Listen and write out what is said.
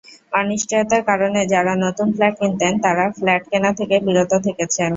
অনিশ্চয়তার কারণে যারা নতুন ফ্ল্যাট কিনতেন, তাঁরা ফ্ল্যাট কেনা থেকে বিরত থেকেছেন।